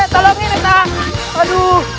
tolong ini dek aduh